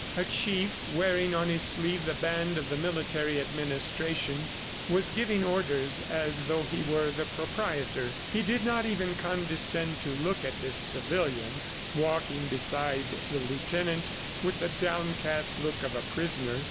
A chief wearing on his sleeve the band of the military administration was giving orders as though he were the proprietor. He did not even condescend to look at this civilian walking beside the lieutenant with the downcast look of a prisoner.